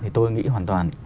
thì tôi nghĩ hoàn toàn